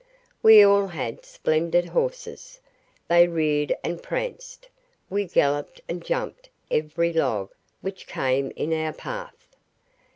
We all had splendid horses. They reared and pranced; we galloped and jumped every log which came in our path.